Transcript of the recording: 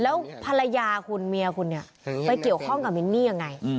แล้วภรรยาคุณเมียคุณเนี่ยไปเกี่ยวข้องกับมินนี่ยังไง